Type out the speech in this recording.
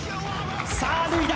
さあ脱いだ！